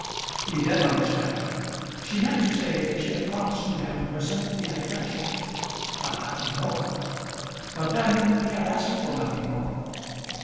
He did understand her. She meant to say that she had promised to him her sympathy and friendship, but nothing more. But then he had asked for nothing more.